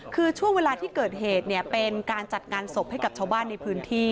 คือช่วงเวลาที่เกิดเหตุเนี่ยเป็นการจัดงานศพให้กับชาวบ้านในพื้นที่